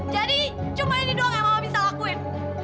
jadi cuma ini doang yang mama bisa lakuin